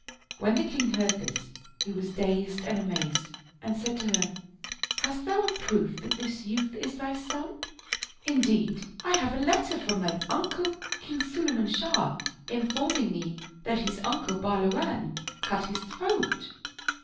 When the king heard this, he was dazed and amazed and said to her, " Hast thou a proof that this youth is thy son ? Indeed, I have a letter from thine uncle King Sulayman Shah, informing me that his uncle Bahluwan cut his throat."